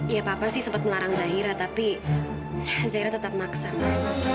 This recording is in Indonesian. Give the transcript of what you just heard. ya papa sih sempat melarang zahira tapi zaira tetap maksa mbak